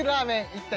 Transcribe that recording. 一体